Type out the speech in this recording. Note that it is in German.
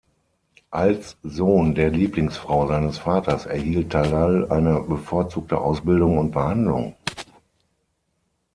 Als Sohn der Lieblingsfrau seines Vaters erhielt Talal eine bevorzugte Ausbildung und Behandlung.